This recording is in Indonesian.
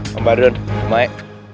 mbak arun mbak maik